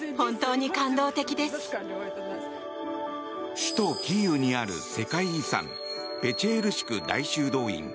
首都キーウにある世界遺産ペチェールシク大修道院。